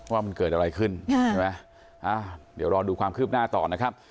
ว่ามันเกิดอะไรขึ้นใช่ไหมเดี๋ยวรอดูความคืบหน้าต่อนะครับ